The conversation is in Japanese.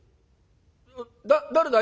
だ誰だい？